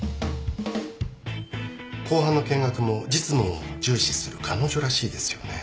公判の見学も実務を重視する彼女らしいですよね。